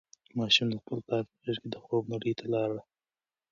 ماشوم د خپل پلار په غېږ کې د خوب نړۍ ته لاړ.